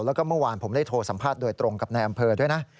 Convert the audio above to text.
แล้วก็เมื่อวานผมได้โทรสัมภาษณ์โดยตรงกับในอำเภอด้วยนะ